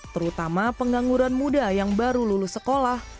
terutama pengangguran muda yang baru lulus sekolah